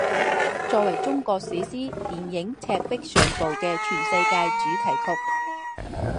作为中国史诗电影赤壁上部的全世界主题曲。